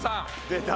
出た！